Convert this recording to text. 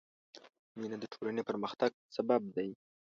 مینه د ټولنې پرمختګ سبب دی.